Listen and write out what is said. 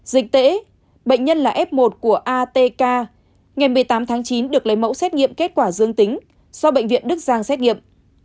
dịch tễ bệnh nhân là f một của atk ngày một mươi tám tháng chín được lấy mẫu xét nghiệm kết quả dương tính do bệnh viện đức giang xét nghiệm